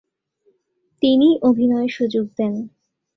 তিনিই অভিনয়ে সুযোগ দেন।